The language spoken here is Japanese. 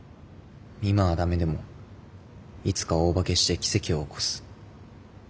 今はダメでもいつか大化けして奇跡を起こす。